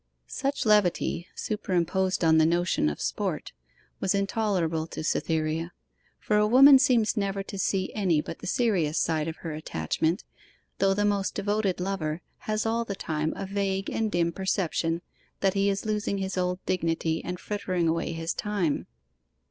Such levity, superimposed on the notion of 'sport', was intolerable to Cytherea; for a woman seems never to see any but the serious side of her attachment, though the most devoted lover has all the time a vague and dim perception that he is losing his old dignity and frittering away his time.